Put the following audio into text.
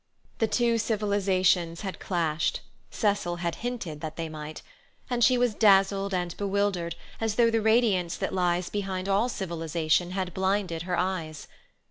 The two civilizations had clashed—Cecil hinted that they might—and she was dazzled and bewildered, as though the radiance that lies behind all civilization had blinded her eyes.